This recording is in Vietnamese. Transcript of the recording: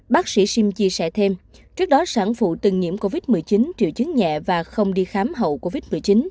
bác sĩ sim chia sẻ thêm trước đó sản phụ từng nhiễm covid một mươi chín triệu chứng nhẹ và không đi khám hậu covid một mươi chín